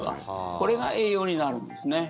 これが栄養になるんですね。